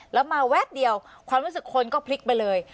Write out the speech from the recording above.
แล้วมาแวบเดียวความรู้สึกคนก็พลิกไปเลย